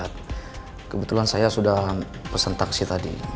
mbak kebetulan saya sudah pesan taksi tadi